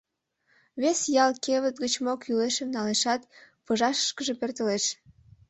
Вес ял кевыт гыч мо кӱлешым налешат, пыжашышкыже пӧртылеш.